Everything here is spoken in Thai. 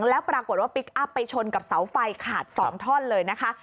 แล้วปรากฏว่าพลิกอัพไปชนกับเสาไฟขาด๒ท่อนเลยนะคะ